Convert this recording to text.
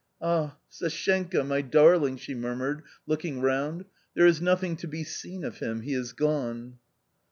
" Ah, Sashenka, my darling !" she murmured looking round. "There is nothing to be seen of him, he is gone."